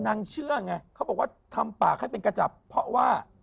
นางเชื่อไงเขาบอกว่าทำปากให้เป็นกระจับเพราะว่า